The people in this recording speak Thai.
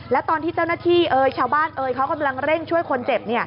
แล้วตอนที่เจ้าหน้าที่เอ่ยชาวบ้านเอ่ยเขากำลังเร่งช่วยคนเจ็บ